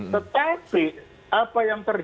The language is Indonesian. tetapi apa yang terjadi